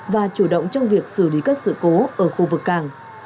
và chủ động trong việc xử lý các sự cố ở khu vực cảng